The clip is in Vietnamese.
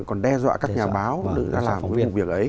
còn đe dọa các nhà báo đã làm một việc ấy